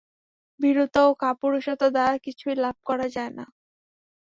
ভীরুতা ও কাপুরুষতা দ্বারা কিছুই লাভ করা যায় না।